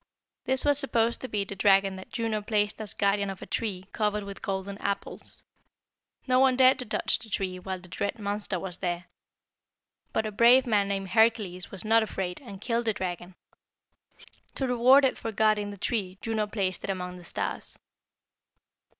This was supposed to be the dragon that Juno placed as guardian of a tree covered with golden apples. No one dared to touch the tree while the dread monster was there. But a brave man named Hercules was not afraid, and killed the dragon. To reward it for guarding the tree Juno placed it among the stars.